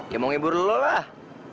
ya mau ngibur dulu lah